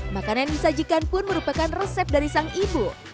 makanan yang disajikan pun merupakan resep dari sang ibu